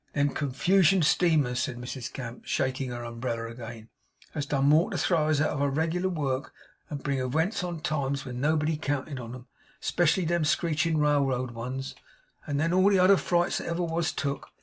Them Confugion steamers,' said Mrs Gamp, shaking her umbrella again, 'has done more to throw us out of our reg'lar work and bring ewents on at times when nobody counted on 'em (especially them screeching railroad ones), than all the other frights that ever was took.